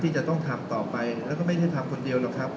จะต้องทำต่อไปแล้วก็ไม่ได้ทำคนเดียวหรอกครับ